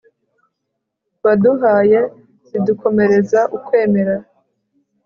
waduhaye, zidukomereza ukwemera